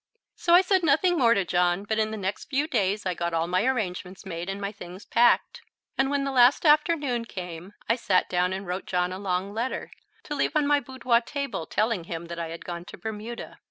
So I said nothing more to John, but in the next few days I got all my arrangements made and my things packed. And when the last afternoon came I sat down and wrote John a long letter, to leave on my boudoir table, telling him that I had gone to Bermuda.